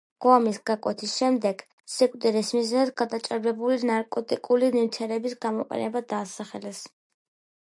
გვამის გაკვეთის შემდეგ პათანატომებმა სიკვდილის მიზეზად გადაჭარბებული ნარკოტიკული ნივთიერებების გამოყენება დაასახელეს.